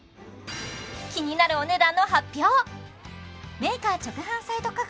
気になるお値段の発表